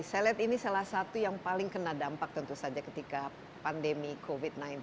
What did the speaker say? saya lihat ini salah satu yang paling kena dampak tentu saja ketika pandemi covid sembilan belas